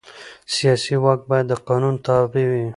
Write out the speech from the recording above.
سیاسي واک باید د قانون تابع وي